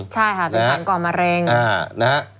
ใช่ค่ะเป็นสารก่อมะเร็งนะฮะ